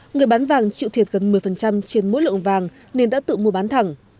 người bán vàng chịu thiệt gần một mươi trên mỗi lượng vàng nên đã tự mua bán thẳng